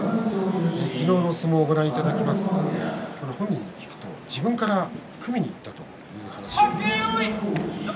昨日の相撲をご覧いただきますが本人に聞くと自分から組みにいったという話です。